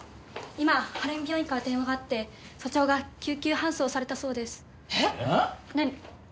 今晴海病院から電話があって署長が救急搬送されたそうです。え！？何。